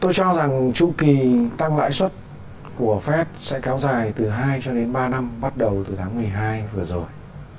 tôi cho rằng trụ kỳ tăng lãi suất của fed sẽ kéo dài từ hai cho đến ba năm bắt đầu từ tháng một mươi hai vừa rồi